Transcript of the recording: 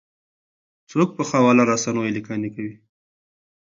څوک په خواله رسنیو لیکنې کوي؟